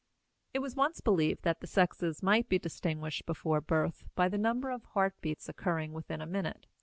It was once believed that the sexes might be distinguished before birth by the number of heart beats occurring within a minute.